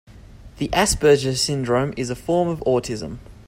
The Asperger syndrome is a form of autism.